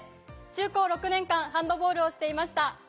中高６年間ハンドボールをしていました。